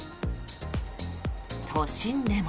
都心でも。